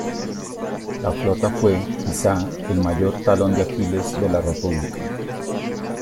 La Flota fue, quizá, el mayor talón de Aquiles de la República".